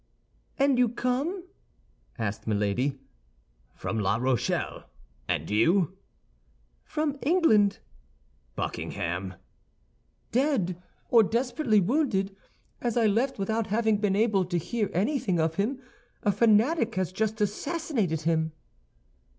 "And you come?" asked Milady. "From La Rochelle; and you?" "From England." "Buckingham?" "Dead or desperately wounded, as I left without having been able to hear anything of him. A fanatic has just assassinated him."